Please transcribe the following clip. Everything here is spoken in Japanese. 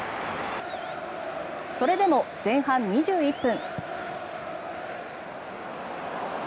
それでも、前半２１分。